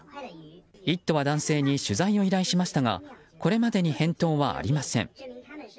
「イット！」は男性に取材を依頼しましたがこれまでに返答はありません。